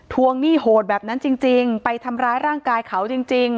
วงหนี้โหดแบบนั้นจริงไปทำร้ายร่างกายเขาจริง